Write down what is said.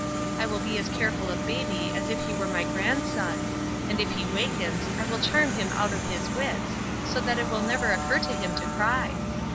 I will be as careful of baby as if he were my grandson; and if he wakens I will charm him out of his wits, so that it will never occur to him to cry."